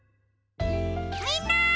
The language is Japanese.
みんな！